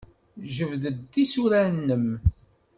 Jbed-d tisura-nnem.